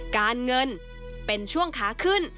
การเงินเป็นช่วงขาขึ้น